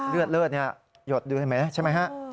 เลือดเนี่ยหยดดูได้ไหมใช่ไหมฮะ